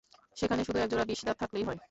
সেখানে শুধু এক জোড়া বিষদাঁত থাকলেই হয়।